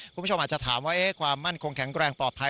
คุณผู้ชมอาจจะถามว่าความมั่นคงแข็งแรงปลอดภัย